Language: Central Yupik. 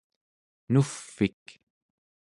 nuvv'ik